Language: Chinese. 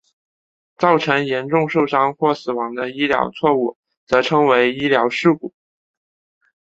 造成严重受伤或死亡的医疗错误则称为医疗事故。